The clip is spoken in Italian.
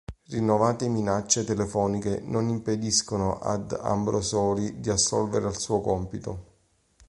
Rinnovate minacce telefoniche non impediscono ad Ambrosoli di assolvere al suo compito.